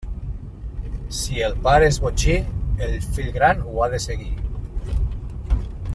Si el pare és botxí, el fill gran ho ha de seguir.